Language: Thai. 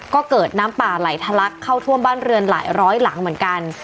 ก็เกิดน้ำป่าไหลทะลักเข้าท่วมบ้านเรือนหลายร้อยหลังเหมือนกัน